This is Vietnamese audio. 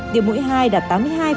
tiêm mũi hai đạt tám mươi hai hai